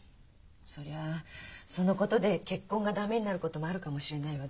そりゃあそのことで結婚が駄目になることもあるかもしれないわ。